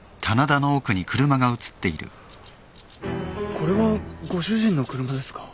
これはご主人の車ですか？